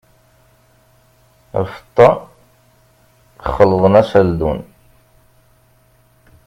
Lfeṭṭa xleḍn-as aldun!